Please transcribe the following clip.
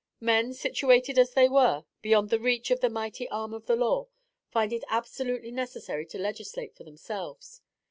Men, situated as they were, beyond the reach of the mighty arm of the law, find it absolutely necessary to legislate for themselves.